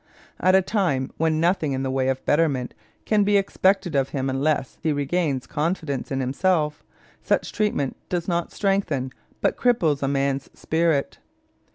At a time when nothing in the way of betterment can be expected of him unless he regains confidence in himself, such treatment does not strengthen, but cripples, a man's spirit.